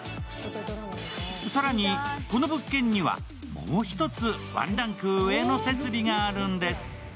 更にこの物件には、もう一つワンランク上の設備があるんです。